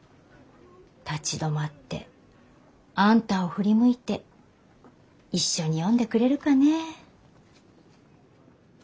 立ち止まってあんたを振り向いて一緒に読んでくれるかね？